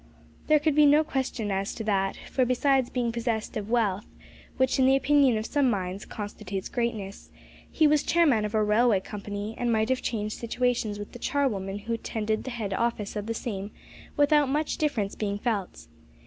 There could be no question as to that; for, besides being possessed of wealth, which, in the opinion of some minds, constitutes greatness, he was chairman of a railway company, and might have changed situations with the charwoman who attended the head office of the same without much difference being felt.